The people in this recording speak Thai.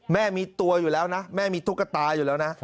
แม่มีตัวอยู่แล้วนะแม่มีตุ๊กตาอยู่แล้วนะ